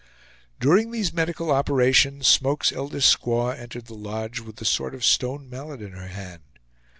During these medical operations Smoke's eldest squaw entered the lodge, with a sort of stone mallet in her hand.